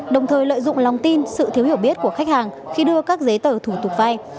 đồng thời lợi dụng lòng tin sự thiếu hiểu biết của khách hàng khi đưa các giấy tờ thủ tục vay